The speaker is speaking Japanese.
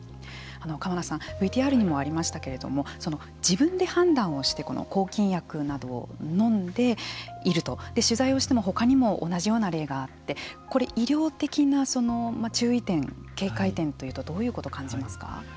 川名さん、ＶＴＲにもありましたけれども自分で判断をして抗菌薬などを飲んでいると取材をしても他にも同じような例があってこれ、医療的な注意点警戒点というとどういうことを感じますか。